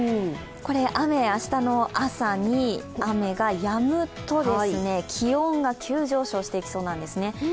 これ、明日の朝に雨がやむと気温が急上昇していきそうなんですね。